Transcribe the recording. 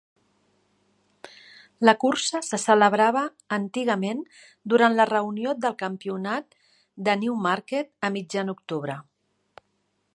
La cursa se celebrava antigament durant la reunió del Campionat de Newmarket a mitjan octubre.